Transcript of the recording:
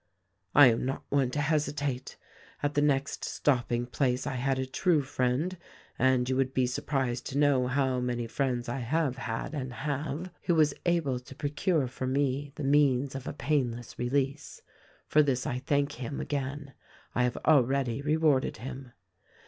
"I am not one to hesitate. At the next stopping place I had a true friend — and you would be surprised to know how many friends I have had and have — who was able to procure for me the means of a painless release. For this I thank him again : I have already rewarded him.